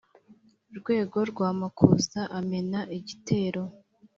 Rwego rw'amakuza amena igitero,